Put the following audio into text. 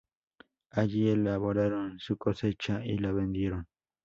Allí elaboraron su cosecha y la vendieron.